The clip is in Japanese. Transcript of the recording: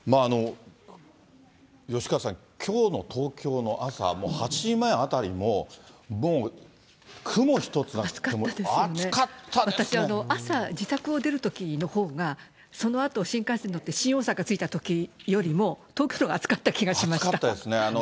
吉川さん、きょうの東京の朝、もう８時前あたりも、私、朝、自宅を出るときのほうが、そのあと新幹線に乗って新大阪着いたときよりも、暑かったですね。